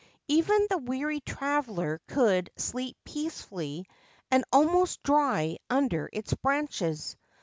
Even the weary traveller could sleep peacefully and almost dry under its branches.